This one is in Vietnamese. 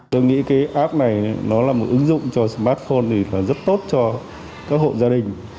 tôi nghĩ cái app này nó là một ứng dụng cho smartphone thì là rất tốt cho các hộ gia đình